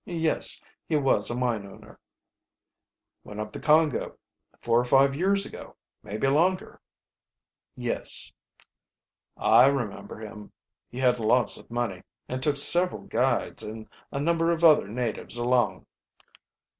"Yes; he was a mine owner." "Went up the Congo four or five years ago maybe longer?" "Yes." "I remember him. He had lots of money, and took several guides and a number of other, natives along."